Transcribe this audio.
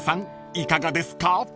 いかがですか？］